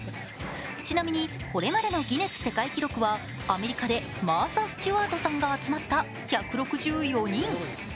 ちなみに、これまでのギネス世界記録はアメリカでマーサ・スチュワートさんが集まった１６４人。